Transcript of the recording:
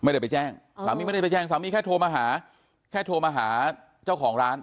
ไม่ได้ไปแจ้งสามีไม่ได้ไปแจ้งสามีแค่โทรมาหาแค่โทรมาหาเจ้าของร้าน